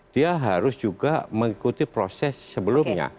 dia harus juga mengikuti proses sebelumnya